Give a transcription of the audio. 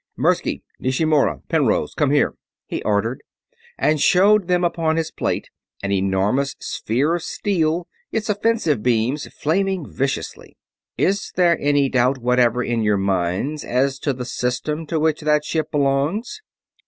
"Mirsky! Nishimura! Penrose! Come here!" he ordered, and showed them upon his plate an enormous sphere of steel, its offensive beams flaming viciously. "Is there any doubt whatever in your minds as to the System to which that ship belongs?"